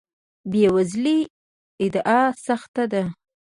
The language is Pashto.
بې وزلۍ ادعا سخت ده.